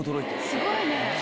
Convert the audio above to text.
すごいね！